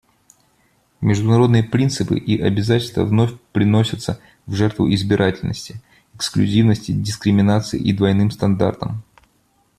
Международные принципы и обязательства вновь приносятся в жертву избирательности, эксклюзивности, дискриминации и двойным стандартам.